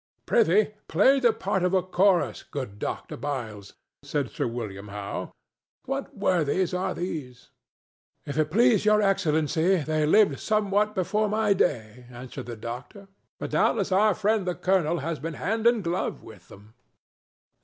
"Prithee, play the part of a chorus, good Dr. Byles," said Sir William Howe. "What worthies are these?" "If it please Your Excellency, they lived somewhat before my day," answered the doctor; "but doubtless our friend the colonel has been hand and glove with them."